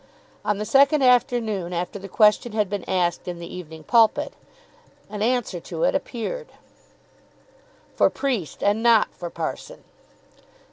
On the second afternoon after the question had been asked in the "Evening Pulpit," an answer to it appeared, "For Priest and not for Parson."